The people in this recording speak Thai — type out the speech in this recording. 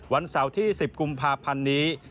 วันเสาร์ที่๑๐กุมภาพันธ์นี้